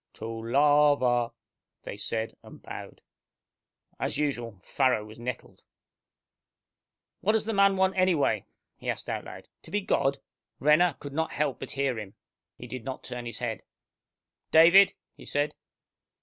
"Tolava " they said, and bowed. As usual, Farrow was nettled. "What does the man want anyway?" he asked out loud. "To be God?" Renner could not help but hear him. He did not turn his head. "David!" he said.